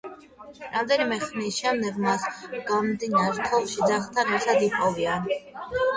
რამდენიმე ხნის შემდეგ მას გამდნარ თოვლში ძაღლთან ერთად იპოვიან.